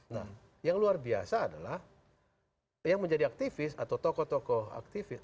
nah yang luar biasa adalah yang menjadi aktivis atau tokoh tokoh aktivis